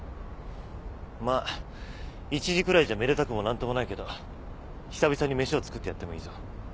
まっ一次くらいじゃめでたくも何ともないけど久々に飯を作ってやってもいいぞ？